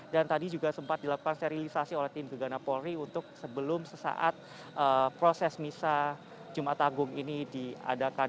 dan tadi juga sempat dilakukan sterilisasi oleh tim gegana polri untuk sebelum sesaat proses misa jumat agung ini diadakan